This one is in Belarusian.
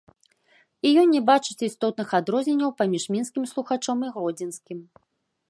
І ён не бачыць істотных адрозненняў паміж мінскім слухачом і гродзенскім.